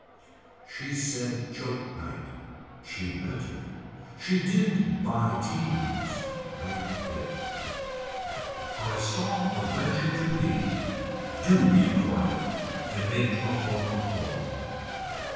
She said choke night. She meant it. She did buy teams. Night it. I saw a venture to be do be quiet and make the home a home.